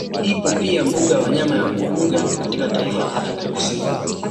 Ipo pia mbuga ya wanyama ya Kluger katika taifa la Afrika ya Kusini